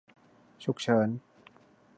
ฉุกเฉิน